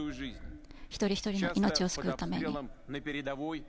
一人一人の命を救うために。